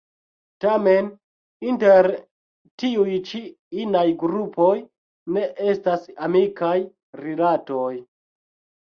Tamen, inter tiuj ĉi inaj grupoj, ne estas amikaj rilatoj.